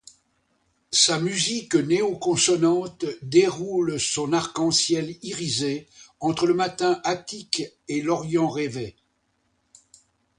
Sa musique néoconsonante déroule son arc-en-ciel irisé entre le matin attique et l'Orient rêvé.